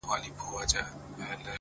د هر يزيد مخ ته که خدای کول آسمان وځي _